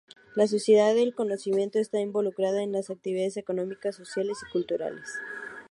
La sociedad del conocimiento está involucrada en las actividades económicas, sociales, y culturales.